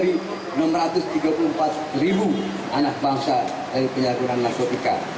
tidak hanya menyelamatkan lebih dari enam ratus tiga puluh empat ribu anak bangsa dari penyakit narkotika